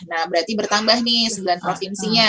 nah berarti bertambah nih sembilan provinsinya